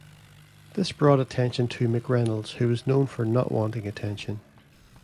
This brought attention to McReynolds who was known for not wanting attention.